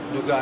ya boleh ya